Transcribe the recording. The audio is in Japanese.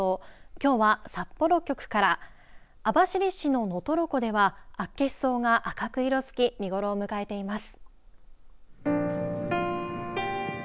きょうは札幌局から網走市の能取湖ではアッケシソウが赤く色づき見頃を迎えています。